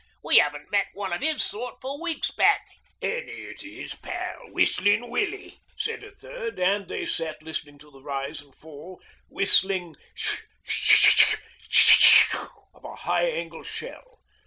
'We 'aven't met one of 'is sort for weeks back.' 'An' here's 'is pal Whistling Willie,' said a third, and they sat listening to the rise and fall whistling s s sh s s sh of a high angle shell.